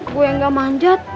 gue yang gak manjat